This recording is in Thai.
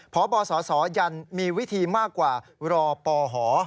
พบสสยันมีวิธีมากกว่ารอปห